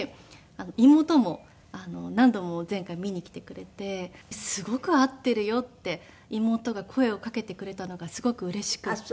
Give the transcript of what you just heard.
妹も何度も前回見に来てくれて「すごく合ってるよ」って妹が声をかけてくれたのがすごくうれしくて。